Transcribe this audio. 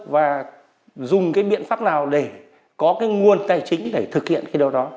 và dùng cái biện pháp nào để có cái nguồn tài chính để thực hiện cái điều đó